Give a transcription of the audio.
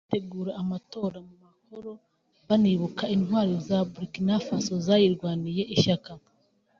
bategura amatora mu mahoro banibuka intwari za Burkina Faso zayirwaniye ishyaka